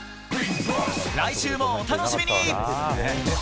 来週も、お楽しみに！